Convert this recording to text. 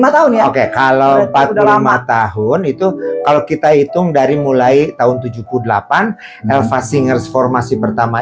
tahun ya oke kalau empat puluh lima tahun itu kalau kita hitung dari mulai tahun tujuh puluh delapan elfa singers formasi pertama